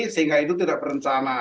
sehingga itu tidak berencana